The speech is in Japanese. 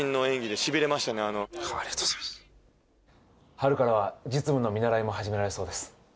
春からは実務の見習いも始められるそうです